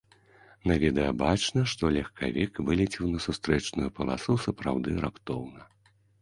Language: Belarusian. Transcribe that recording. На відэа бачна, што легкавік вылецеў на сустрэчную паласу сапраўды раптоўна.